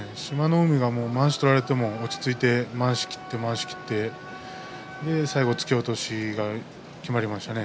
海はまわしを取られても落ち着いてまわしを切って、まわしを切って最後、突き落としがきまりましたね。